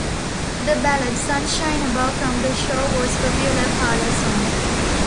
The ballad "Sunshine above" from the show was popular parlour song.